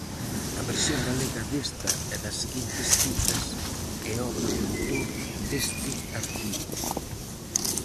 A versión galega desta e das seguintes citas é obra do autor deste artigo.